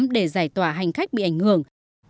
để giải tỏa hành khách bị ảnh hưởng